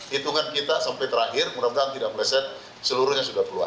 hitungan kita sampai terakhir mudah mudahan tidak meleset seluruhnya sudah keluar